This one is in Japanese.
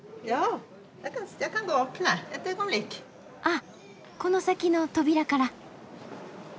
あっこの先の扉から。